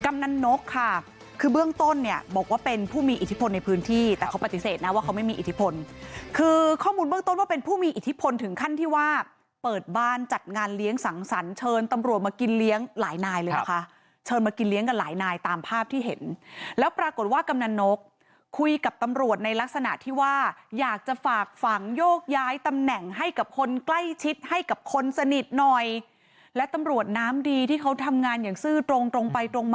กำนันโน๊คค่ะคือเบื้องต้นเนี่ยบอกว่าเป็นผู้มีอิทธิพลในพื้นที่แต่เขาปฏิเสธนะว่าเขาไม่มีอิทธิพลคือข้อมูลเบื้องต้นว่าเป็นผู้มีอิทธิพลถึงขั้นที่ว่าเปิดบ้านจัดงานเลี้ยงสั่งสรรเชิญตำรวจมากินเลี้ยงหลายนายเลยนะคะเชิญมากินเลี้ยงกันหลายนายตามภาพที่เห็นแล้วปรากฏว่ากำนันโน